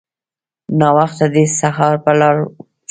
ناوخته دی سهار به لاړ شو.